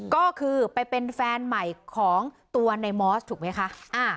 ก็คือไปเป็นแฟนใหม่ของตัวในมอสถูกไหมคะ